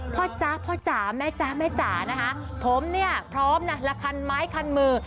จ๊ะพ่อจ๋าแม่จ๊ะแม่จ๋านะคะผมเนี่ยพร้อมนะละคันไม้คันมือ